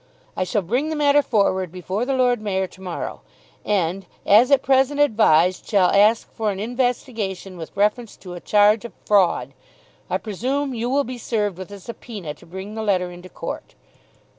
I shall bring the matter forward before the Lord Mayor to morrow, and as at present advised shall ask for an investigation with reference to a charge of fraud. I presume you will be served with a subpoena to bring the letter into court."